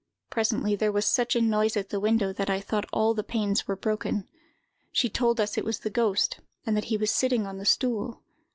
Presently, there was such a noise at the window that I thought all the panes were broken. She told us it was the ghost, and that he was sitting on the stool.